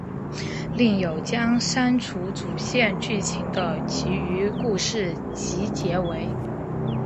另有将删除主线剧情的其余故事集结为。